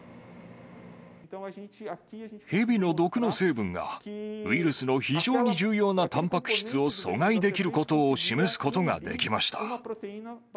ヘビの毒の成分が、ウイルスの非常に重要なたんぱく質を阻害できることを示すことができました。